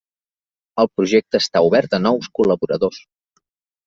El projecte està obert a nous col·laboradors.